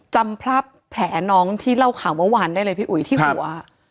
จำภาพแผลน้องที่เล่าข่าวเมื่อวานได้เลยพี่อุ๋ยที่หัว